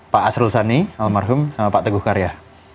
pak asrul sani almarhum sama pak teguh karya